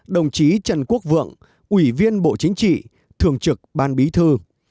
đồng chí trần quốc vượng ủy viên bộ chính trị thường trực ban bí thư